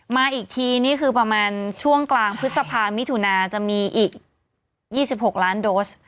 มาอีกทีนี่คือประมาณช่วงกลางพฤษภามิถุนาจะมีอีก๒๖ล้านโดส